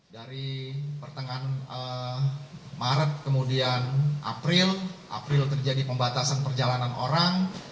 dari pertengahan maret kemudian april april terjadi pembatasan perjalanan orang